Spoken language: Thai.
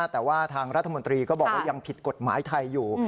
แต่ว่าทางรัฐมนตรีก็บอกว่ายังผิดกฎหมายไทยอยู่